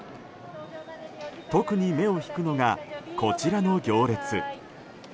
特に目を引くのがこちらの行列。